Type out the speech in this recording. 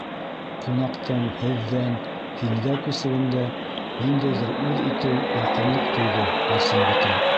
Ҡунаҡтың «һеҙ»ҙән «һин»гә күсеүендә ниндәйҙер үҙ итеү, яҡынлыҡ тойҙо Барсынбикә.